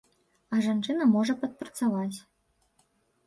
А жанчына можа падпрацаваць.